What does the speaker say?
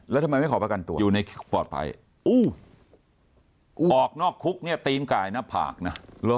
แล้วทำไมไม่ขอประกันตัวอยู่ในปลอดภัยออกนอกคุกเนี่ยตีนไก่หน้าผากนะ